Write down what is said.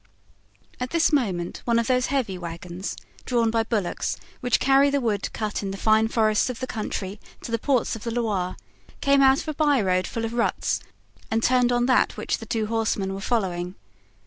At this moment one of those heavy wagons, drawn by bullocks, which carry the wood cut in the fine forests of the country to the ports of the Loire, came out of a byroad full of ruts and turned on that which the two horsemen were following.